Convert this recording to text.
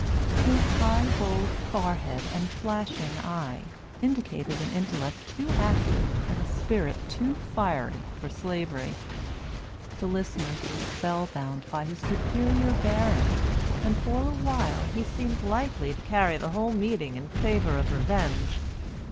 His high, bold forehead and flashing eye indicated an intellect too active, and a spirit too fiery, for Slavery. The listeners were spell bound by his superior bearing, and for a while he seemed likely to carry the whole meeting in favor of revenge.